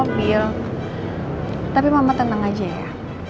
mobil tapi mama tenang aja ya